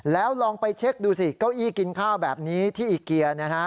แล้วลองไปเช็คดูสิเก้าอี้กินข้าวแบบนี้ที่อีเกียร์นะฮะ